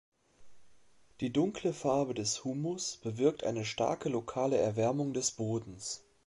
Die dunkle Farbe des Humus bewirkt eine starke lokale Erwärmung des Bodens.